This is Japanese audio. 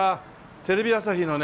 テレビ朝日のね